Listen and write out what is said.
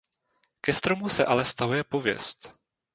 Ke stromu se ale vztahuje pověst.